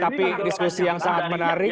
tapi diskusi yang sangat menarik